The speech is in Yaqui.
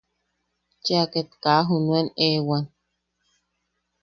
Cheʼa ket kaa junuen ewan.